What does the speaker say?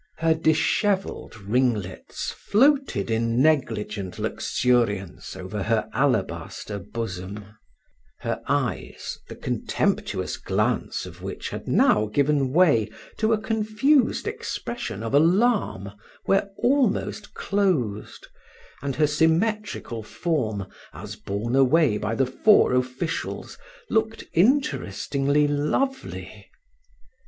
Her dishevelled ringlets floated in negligent luxuriance over her alabaster bosom: her eyes, the contemptuous glance of which had now given way to a confused expression of alarm, were almost closed; and her symmetrical form, as borne away by the four officials, looked interestingly lovely.